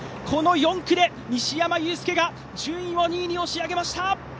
この４区で西山雄介が順位を２位に押し上げました。